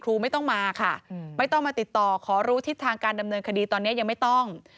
ไม่ต้องมาค่ะไม่ต้องมาติดต่อขอรู้ทิศทางการดำเนินคดีตอนนี้ยังไม่ต้อง